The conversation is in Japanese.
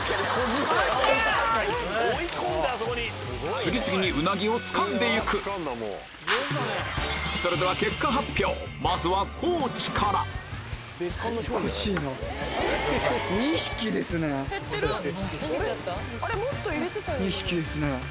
次々にうなぎをつかんでいくそれではまずは地から２匹ですね。